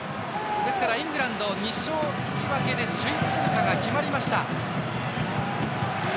ですから、イングランド２勝１分けで首位通過が決まりました。